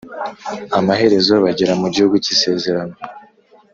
amaherezo bagera mu gihugu cy’isezerano